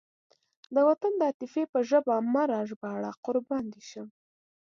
د وطن د عاطفې په ژبه مه راژباړه قربان دې شم.